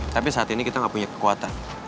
tapi saat ini kita nggak punya kekuatan